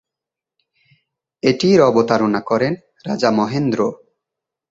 এটির অবতারণা করেন রাজা মহেন্দ্র।